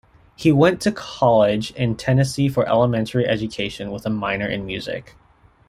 He went to college in Tennessee for elementary education with a minor in music.